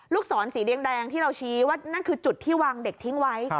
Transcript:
ศรสีแดงที่เราชี้ว่านั่นคือจุดที่วางเด็กทิ้งไว้